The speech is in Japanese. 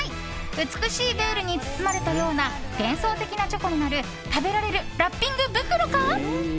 美しいヴェ−ルに包まれたような幻想的なチョコになる食べられるラッピング袋か。